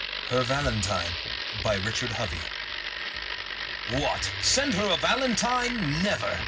HER VALENTINE BY RICHARD HOVEY What, send her a valentine? Never!